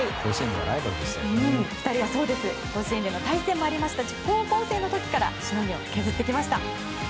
２人は甲子園での対戦もありましたし高校生の時からしのぎを削ってきました。